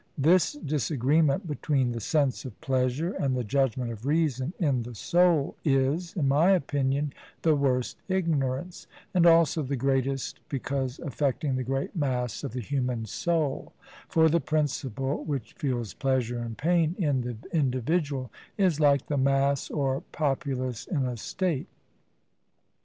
This disagreement between the sense of pleasure and the judgment of reason in the soul is, in my opinion, the worst ignorance; and also the greatest, because affecting the great mass of the human soul; for the principle which feels pleasure and pain in the individual is like the mass or populace in a state.